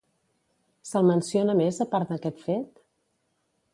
Se'l menciona més a part d'aquest fet?